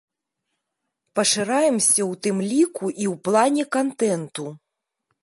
Пашыраемся ў тым ліку і ў плане кантэнту.